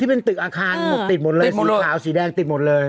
เป็นตึกอาคารหมดติดหมดเลยสีขาวสีแดงติดหมดเลย